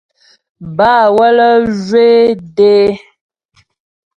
Bə̀ wələ zhwé dé.